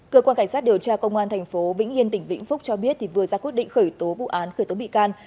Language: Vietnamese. cơ quan cảnh sát điều tra công an tp vĩnh yên tỉnh vĩnh phúc cho biết vừa ra quyết định khởi tố vụ án khởi tố bị can